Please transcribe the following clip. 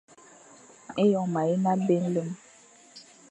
Eyon mayen abé nlem.